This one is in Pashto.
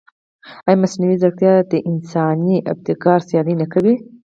ایا مصنوعي ځیرکتیا د انساني ابتکار سیالي نه کوي؟